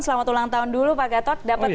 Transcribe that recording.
selamat ulang tahun dulu pak gatot dapat